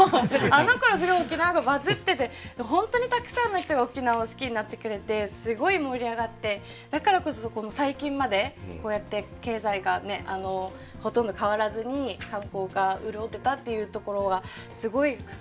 あのころすごい沖縄がバズってて本当にたくさんの人が沖縄を好きになってくれてすごい盛り上がってだからこそ最近までこうやって経済がほとんど変わらずに観光が潤ってたっていうところがすごいすばらしいことだなって